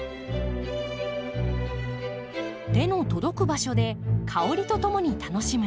手の届く場所で香りとともに楽しむ。